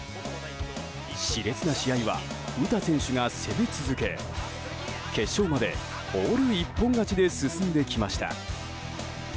熾烈な試合は詩選手が攻め続け決勝までオール一本勝ちで進んできました。